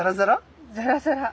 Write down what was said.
ザラザラ。